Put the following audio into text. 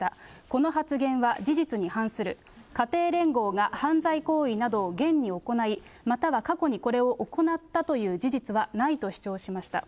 この発言は事実に反する、家庭連合が犯罪行為などを現に行い、または過去にこれを行ったという事実はないと主張しました。